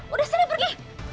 udah sering pergi